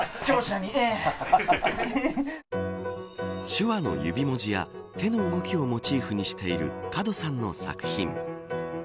手話の指文字や手の動きをモチーフにしている門さんの作品。